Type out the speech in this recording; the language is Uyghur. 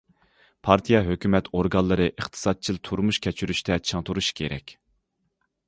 پارتىيە، ھۆكۈمەت ئورگانلىرى ئىقتىسادچىل تۇرمۇش كەچۈرۈشتە چىڭ تۇرۇشى كېرەك.